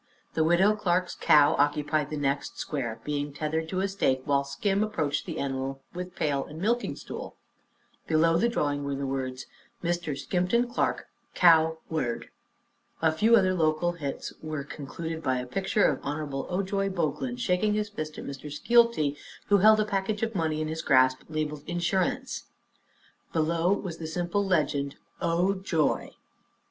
The Widow Clark's cow occupied the next square, being tethered to a stake while Skim approached the animal with pail and milking stool. Below the drawing were the words: "Mr. Skimton Clark, cowward." A few other local hits were concluded by a picture of Hon. Ojoy Boglin shaking his fist at Mr. Skeelty, who held a package of money in his grasp labeled "insurance." Below was the simple legend: "O Joy!"